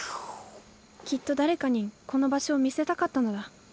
きっと誰かにこの場所を見せたかったのだ。